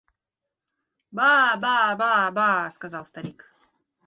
– Ба, ба, ба, ба! – сказал старик.